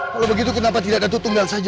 kalau begitu kenapa tidak ada tutumgal saja